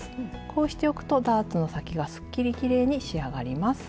こうしておくとダーツの先がすっきりきれいに仕上がります。